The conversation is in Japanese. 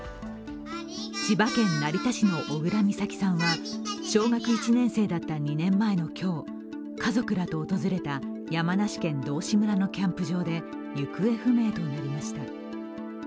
千葉県成田市の小倉美咲さんは小学１年生だった２年前の今日、家族らと訪れた山梨県道志村のキャンプ場で行方不明となりました。